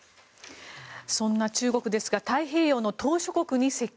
そんな中国ですが太平洋の島しょ国に接近。